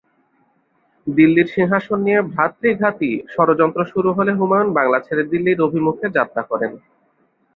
দিল্লির সিংহাসন নিয়ে ভ্রাতৃঘাতী ষড়যন্ত্র শুরু হলে হুমায়ুন বাংলা ছেড়ে দিল্লির অভিমুখে যাত্রা করেন।